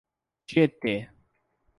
Tietê